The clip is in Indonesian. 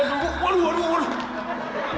aduh aduh aduh aduh